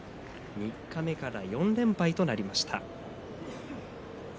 三日目から４連敗となりました。